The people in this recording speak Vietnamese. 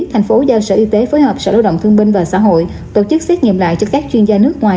thì nó thay đổi theo giá kiểu tết thôi chứ không có gì